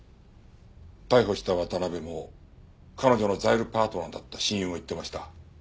逮捕した渡辺も彼女のザイルパートナーだった親友も言ってました。